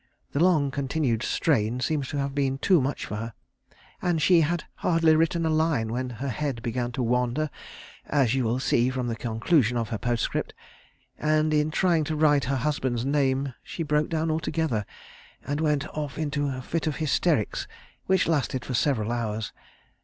The long continued strain seems to have been too much for her, and she had hardly written a line when her head began to wander, as you will see from the conclusion of her postscript, and in trying to write her husband's name she broke down altogether, and went off into a fit of hysterics which lasted for several hours.